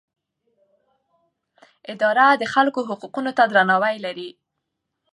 اداره د خلکو حقونو ته درناوی لري.